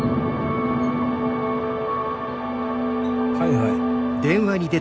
はいはい。